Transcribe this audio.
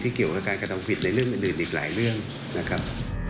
เกี่ยวกับการกระทำผิดในเรื่องอื่นอีกหลายเรื่องนะครับ